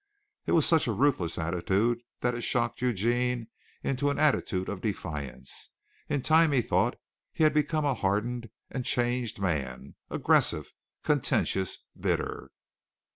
It was such a ruthless attitude that it shocked Eugene into an attitude of defiance. In time he thought he had become a hardened and a changed man aggressive, contentious, bitter.